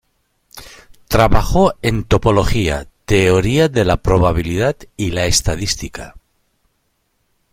Trabajó en topología, teoría de la probabilidad y la estadística.